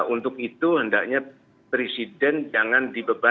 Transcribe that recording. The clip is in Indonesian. untuk itu hendaknya presiden jangan dibebankan